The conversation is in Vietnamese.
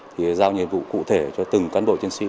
thì giao nhiệm vụ cụ thể cho từng cán bộ chiến sĩ